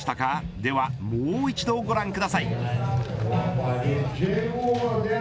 ではもう一度ご覧ください。